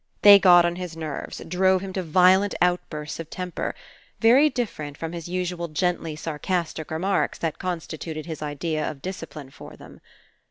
They got on his nerves, drove him to violent outbursts of temper, very different from his usual gently sarcastic remarks that constituted his idea of discipline for them.